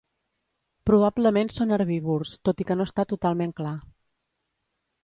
Probablement són herbívors, tot i que no està totalment clar.